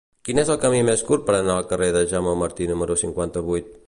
Quin és el camí més curt per anar al carrer de Jaume Martí número cinquanta-vuit?